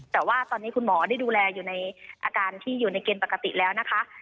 แต่ว่าตอนนี้คุณหมอได้ดูแลอยู่ในอาการที่อยู่ในเกณฑ์ปกติแล้วนะคะ